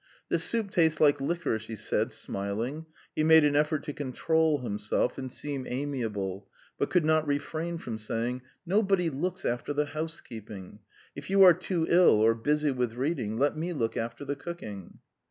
"This soup tastes like liquorice," he said, smiling; he made an effort to control himself and seem amiable, but could not refrain from saying: "Nobody looks after the housekeeping. ... If you are too ill or busy with reading, let me look after the cooking."